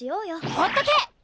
ほっとけ！